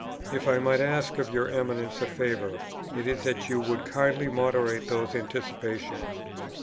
"If I might ask of your Eminence a favour, it is that you would kindly moderate those anticipations.